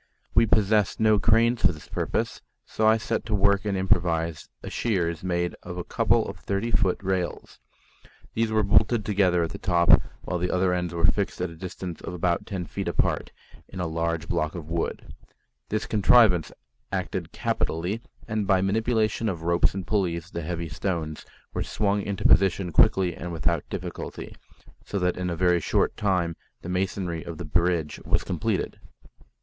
We possessed no cranes for this purpose, so I set to work and improvised a shears made of a couple of thirty foot rails. These were bolted together at the top, while the other ends were fixed at a distance of about ten feet apart in a large block of wood. This contrivance acted capitally, and by manipulation of ropes and pulleys the heavy stones were swung into position quickly and without difficulty, so that in a very short time the masonry of the bridge was completed.